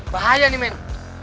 bahaya nih men